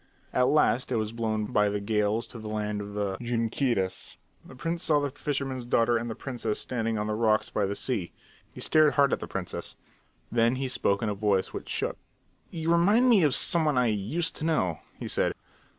At last it was blown by the gales to the land of the Junqueiras. The prince saw the fisherman's daughter and the princess standing on the rocks by the sea. He stared hard at the princess. Then he spoke in a voice which shook. "You remind me of some one I used to know," he said.